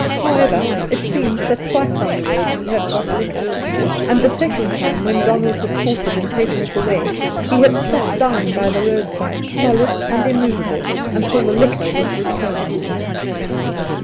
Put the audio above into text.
However, it seems that twice on the road he had got liquor, and the second time, when Donald had caught him and taken it away, he had sat down by the roadside stolid and immovable until the liquor was returned to him.